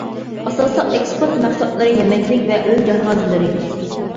ئاساسلىق ئېكسپورت مەھسۇلاتلىرى يېمەكلىك ۋە ئۆي جاھازلىرى.